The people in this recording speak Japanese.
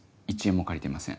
１円も借りてません。